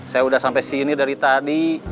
saya sudah sampai sini dari tadi